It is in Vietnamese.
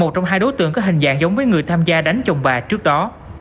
một trong hai đối tượng có hình dạng giống với người tham gia đánh chồng bà trước đó